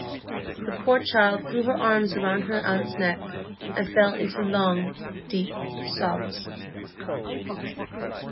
The poor child threw her arms round her aunt's neck, and fell into long, deep sobs.